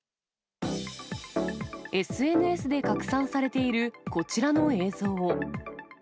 ＳＮＳで拡散されている、こちらの映像。